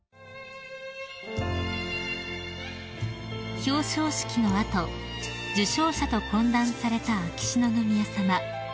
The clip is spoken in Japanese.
［表彰式の後受賞者と懇談された秋篠宮さま］